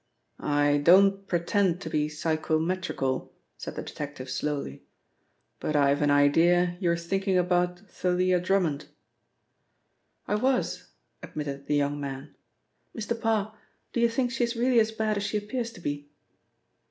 "I don't pretend to be psychometrical," said the detective slowly, "but I've an idea you're thinking about Thalia Drummond." "I was," admitted the young man. "Mr. Parr, do you think she is really as bad as she appears to be?"